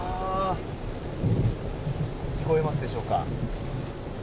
聞こえますでしょうか。